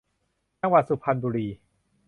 จังหวัดสุพรรณบุรี